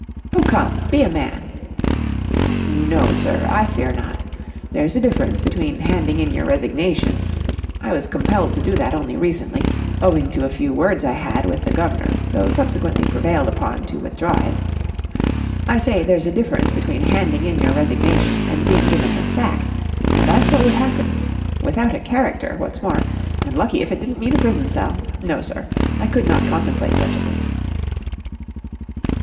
"Oh, come. Be a man!" "No, sir, I fear not. There's a difference between handing in your resignation—I was compelled to do that only recently, owing to a few words I had with the guv'nor, though subsequently prevailed upon to withdraw it—I say there's a difference between handing in your resignation and being given the sack, and that's what would happen—without a character, what's more, and lucky if it didn't mean a prison cell! No, sir, I could not contemplate such a thing."